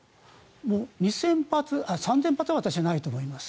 ３０００発は私はないと思います。